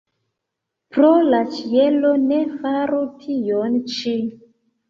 Pro la ĉielo, ne faru tion ĉi!